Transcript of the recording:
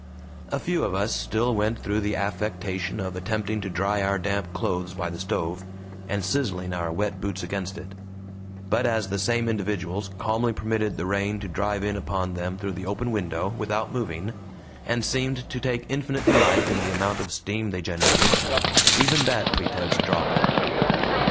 A few of us still went through the affectation of attempting to dry our damp clothes by the stove, and sizzling our wet boots against it; but as the same individuals calmly permitted the rain to drive in upon them through the open window without moving, and seemed to take infinite delight in the amount of steam they generated, even that pretense dropped.